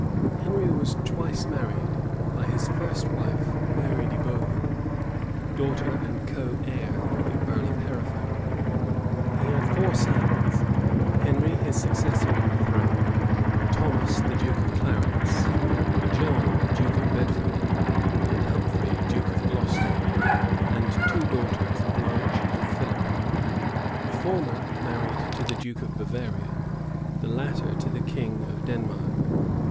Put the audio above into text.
Henry was twice married: by his first wife, Mary deBohun, daughter and coheir of the earl of Hereford, he had four sons, Henry, his successor in the throne, Thomas, duke of Clarence, John, duke of Bedford, and Humphrey, duke of Glocester: and two daughters, Blanche and Philippa; the former married to the duke of Bavaria, the latter to the king of Denmark.